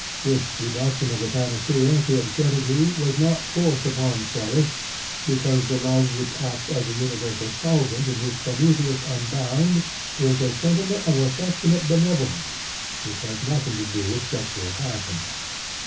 This reduction of the panacea to absurdity was not forced upon Shelley, because the love which acts as a universal solvent in his Prometheus Unbound is a sentiment of affectionate benevolence which has nothing to do with sexual passion.